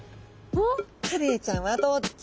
カレイちゃんはどっち？